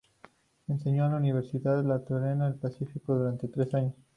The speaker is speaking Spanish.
Enseñó en la Universidad Luterana del Pacífico durante tres años.